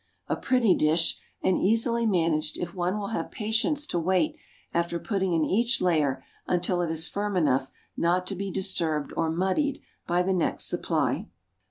A pretty dish, and easily managed if one will have patience to wait after putting in each layer until it is firm enough not to be disturbed or muddied by the next supply.